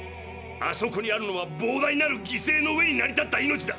あそこにあるのはぼう大なるぎせいの上に成り立った命だ！